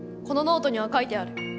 このノートには書いてある。